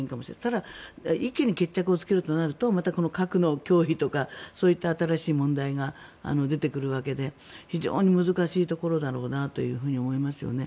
ただ一気に決着をつけるとなるとまた核の脅威とかそういった新しい問題が出てくるわけで非常に難しいところだろうなと思いますよね。